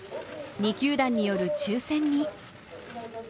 ２球団による抽選に。